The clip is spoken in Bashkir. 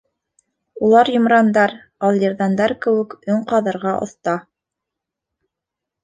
Улар йомрандар, алйырҙандар кеүек өң ҡаҙырға оҫта.